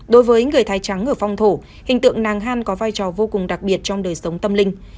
đối với người thái trắng ở phong thổ hình tượng nàng han có vai trò vô cùng đặc biệt trong đời sống tâm linh